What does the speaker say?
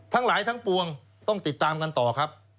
ทั้งหลายทั้งปวงต้องติดตามกันต่อครับ